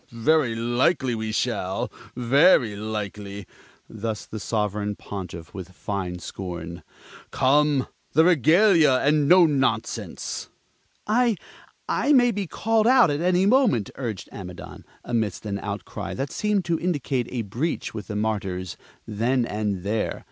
Very likely we shall! Very likely!" thus the Sovereign Pontiff with fine scorn. "Come, the regalia, and no nonsense!" "I I may be called out at any moment," urged Amidon, amidst an outcry that seemed to indicate a breach with the Martyrs then and there.